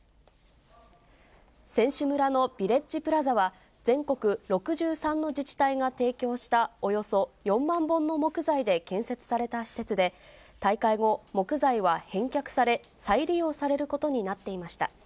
選手村のビレッジプラザは、全国６３の自治体が提供したおよそ４万本の木材で建設された施設で、大会後、木材は返却され、再利用されることになっていました。